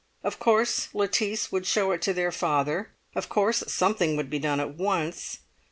Of course Lettice would show it to their father; of course something would be done at once.